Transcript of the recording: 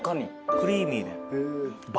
クリーミー。